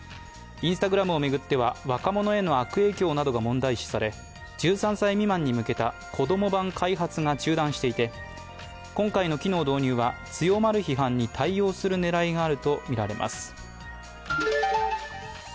Ｉｎｓｔａｇｒａｍを巡っては、若者への悪影響などが問題視され、１３歳未満に向けた子供版開発が中断していて今回の機能導入は強まる批判に対応する狙いがあるとみられます。